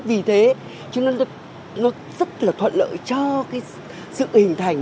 vì thế chúng ta rất thuận lợi cho sự hình thành